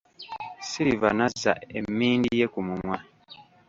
Silver n'azza emmindi ye ku mumwa.